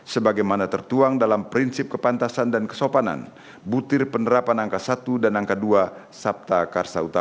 sebagaimana tertuang dalam prinsip kepantasan dan kesopanan butir penerapan angka satu dan angka dua sabta karsa utama